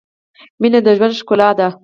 • مینه د ژوند ښکلا ده.